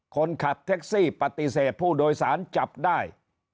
คนขับแท็กซี่ปฏิเสธผู้โดยสารจับได้